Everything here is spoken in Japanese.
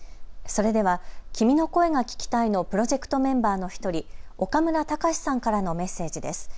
それでは君の声が聴きたいのプロジェクトメンバーの１人、岡村隆史さんからのメッセージです。